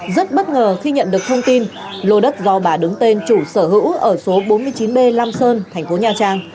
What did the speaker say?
rất bất ngờ khi nhận được thông tin lô đất do bà đứng tên chủ sở hữu ở số bốn mươi chín b lam sơn thành phố nha trang